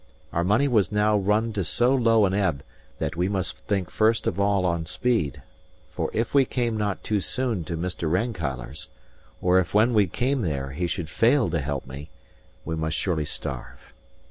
Our money was now run to so low an ebb that we must think first of all on speed; for if we came not soon to Mr. Rankeillor's, or if when we came there he should fail to help me, we must surely starve.